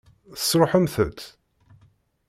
Tesṛuḥemt-t?